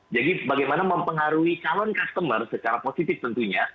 jadi bagaimana mempengaruhi calon customer secara positif tentunya